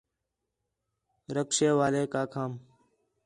رکشے والیک آکھام